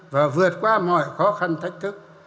và vượt qua mọi khó khăn thách thức